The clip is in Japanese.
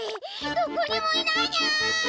どこにもいないにゃあ！